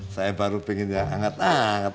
saya baru pengennya hangat anget